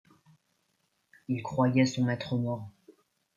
Il croyait son maître mort.